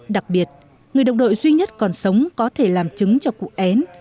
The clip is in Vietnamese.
đặc biệt người đồng đội duy nhất còn sống có thể làm chứng cho cụ én